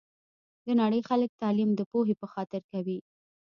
د نړۍ خلګ تعلیم د پوهي په خاطر کوي